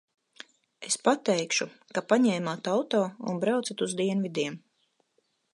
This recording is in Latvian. Es pateikšu, ka paņēmāt auto un braucat uz dienvidiem.